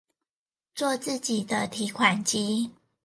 做自己的提款機